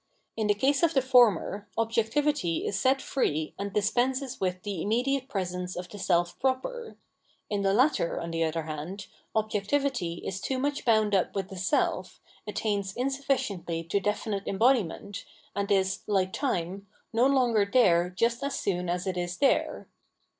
In the case of the former, objectivity is set free and dispenses with the immediate presence of the self proper ; in the latter, on the other hand, objectivity is too much bound up with the self, attains insufiS ciently to definite embodiment, and is, like time, no longer there just as soon as it is there.